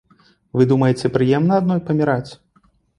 Вы думаеце, прыемна адной паміраць?